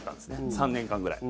３年間ぐらい。